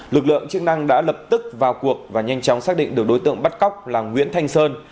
lực lượng chức năng đã lập tức vào cuộc và nhanh chóng xác định được đối tượng bắt cóc là nguyễn thanh sơn